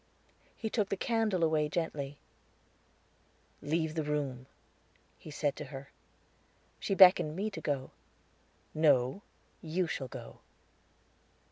He took the candle away gently. "Leave the room," he said to her. She beckoned me to go. "No, you shall go."